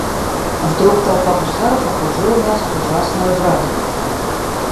Вдруг толпа гусаров окружила нас с ужасною бранью.